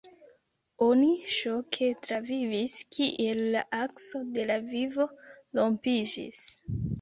Oni ŝoke travivis kiel la akso de la vivo rompiĝis.